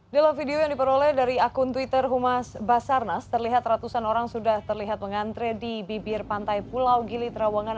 dalam video yang diperoleh dari akun twitter humas basarnas terlihat ratusan orang sudah terlihat mengantre di bibir pantai pulau gili trawangan